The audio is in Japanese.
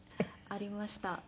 ありました。